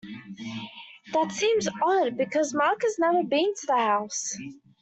That seems odd because Mark has never been to the house.